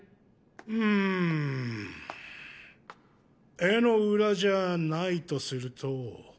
うん絵の裏じゃないとすると。